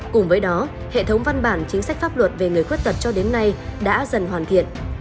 cùng với đó hệ thống văn bản chính sách pháp luật về người khuyết tật cho đến nay đã dần hoàn thiện